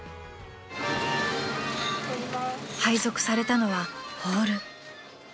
［配属されたのはホール］